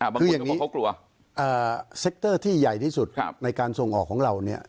บางคนก็บอกว่ากลัวเซกเตอร์ที่ใหญ่ที่สุดในการส่งออกของเราเนี่ย